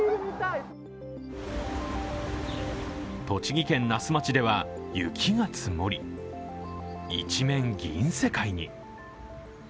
栃木県那須町では雪が積もり、一面銀世界に。